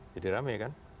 jadi rame kan